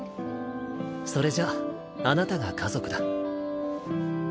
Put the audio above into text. それじゃあなたが家族だ。